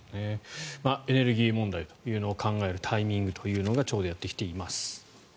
エネルギー問題というのを考えるタイミングというのがちょうどやってきています。